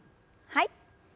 はい。